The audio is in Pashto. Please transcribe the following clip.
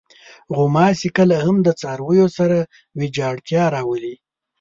غوماشې کله هم د څارویو سره ویجاړتیا راولي.